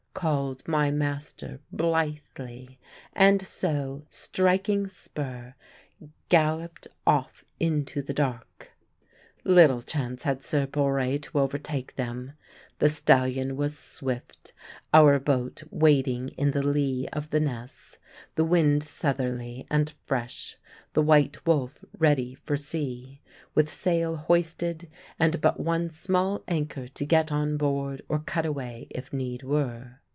called my master blithely; and so, striking spur, galloped off into the dark. Little chance had Sir Borre to overtake them. The stallion was swift, our boat waiting in the lee of the Ness, the wind southerly and fresh, the White Wolf ready for sea, with sail hoisted and but one small anchor to get on board or cut away if need were.